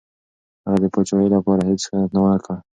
هغه د پاچاهۍ لپاره هېڅ خیانت ونه کړ.